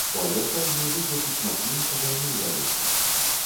У авертайме вызначыць мацнейшага не ўдалося.